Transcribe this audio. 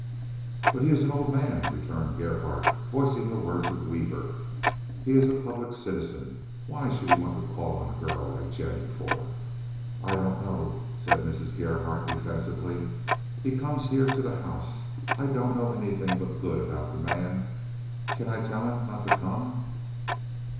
"But he is an old man," returned Gerhardt, voicing the words of Weaver. "He is a public citizen. What should he want to call on a girl like Jennie for?" "I don't know," said Mrs. Gerhardt, defensively. "He comes here to the house. I don't know anything but good about the man. Can I tell him not to come?"